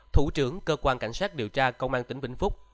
thủ trưởng cơ quan cảnh sát điều tra công an tỉnh vĩnh phúc